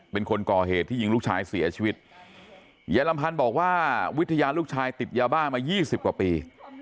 เป็นคนก่อเหตุที่ยิงลูกชายเสียชีวิตยายลำพันธ์บอกว่าวิทยาลูกชายติดยาบ้ามายี่สิบกว่าปี